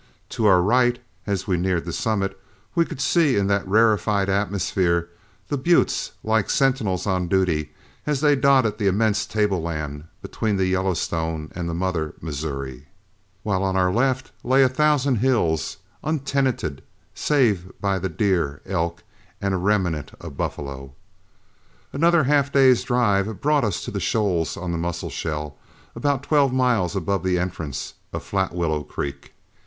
To our right, as we neared the summit, we could see in that rarefied atmosphere the buttes, like sentinels on duty, as they dotted the immense tableland between the Yellowstone and the mother Missouri, while on our left lay a thousand hills, untenanted save by the deer, elk, and a remnant of buffalo. Another half day's drive brought us to the shoals on the Musselshell, about twelve miles above the entrance of Flatwillow Creek.